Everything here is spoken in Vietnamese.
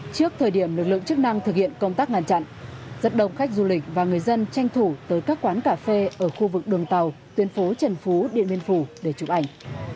trước thời điểm lực lượng chức năng thực hiện công tác ngăn chặn rất đông khách du lịch và người dân tranh thủ tới các quán cà phê ở khu vực đường tàu tuyến phố trần phú điện biên phủ để chụp ảnh